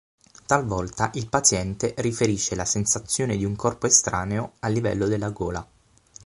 Talvolta il paziente riferisce la sensazione di un corpo estraneo a livello della gola.